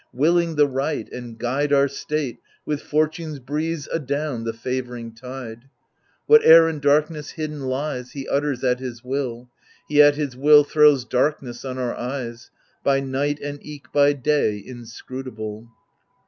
Willing the right, and guide Our state with Fortune's breeze adown the favouring tide. Whatever in darkness hidden lies, He utters at his will ; He at his will throws darkness on our eyes, By night and eke by day inscrutable.